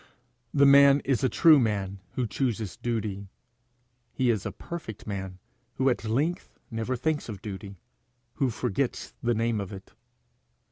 The man is a true man who chooses duty; he is a perfect man who at length never thinks of duty, who forgets the name of it.